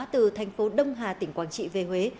từ thành phố đông hà tỉnh quảng trị về huế